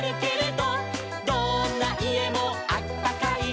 「どんないえもあったかい」